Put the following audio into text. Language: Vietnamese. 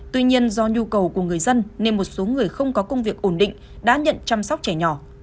tuy nhiên do nhu cầu của người dân nên một số người không có công việc ổn định đã nhận chăm sóc trẻ nhỏ